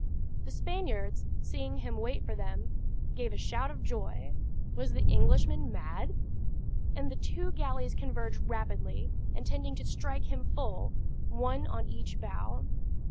The Spaniards, seeing him wait for them, gave a shout of joy was the Englishman mad? And the two galleys converged rapidly, intending to strike him full, one on each bow.